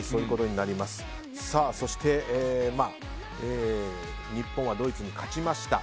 そして日本はドイツに勝ちました。